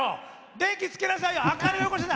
電気、つけなさいよ！